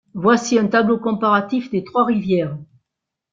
Voici un tableau comparatif des trois rivières.